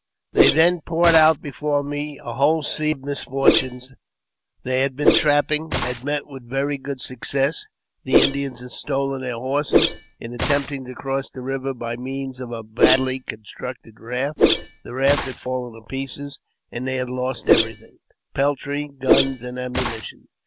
They then poured out before me a whole sea of misfortunes. They had been trapping — had met with very good success; the Indians had stolen their horses ; in attempting to cross the river by means of a badly constructed raft, the raft had fallen to pieces, and they had lost everything — peltry, guns, and ammunition.